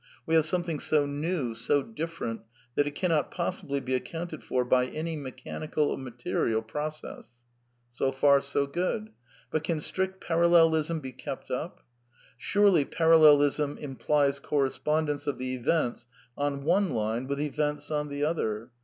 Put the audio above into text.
We have something so new, so different, that it cannot possibly be accounted for by any mechanical or material process. So far so good. But can strict Parallelism be kept up ? Surely Parallelism implies correspondence of the events on one line with events on the other.